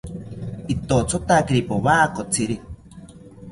Pitothotakiri powakotziri